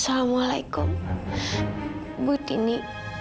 selamat malam butini